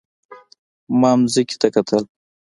ما ځمکې ته کتل.